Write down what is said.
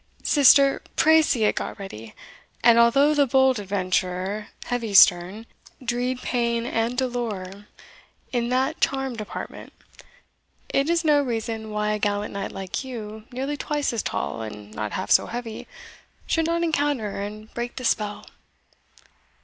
Sister, pray see it got ready And, although the bold adventurer, Heavysterne, dree'd pain and dolour in that charmed apartment, it is no reason why a gallant knight like you, nearly twice as tall, and not half so heavy, should not encounter and break the spell."